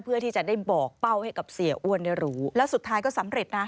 เพื่อที่จะได้บอกเป้าให้กับเสียอ้วนได้รู้แล้วสุดท้ายก็สำเร็จนะ